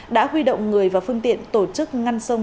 đã huy động người và phương tiện tổ chức ngăn sông